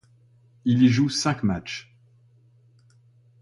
Il y joue cinq matches.